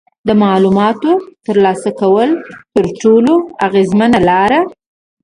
د معلوماتو ترلاسه کولو تر ټولو اغیزمنه لاره